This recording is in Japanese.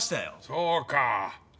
そうか。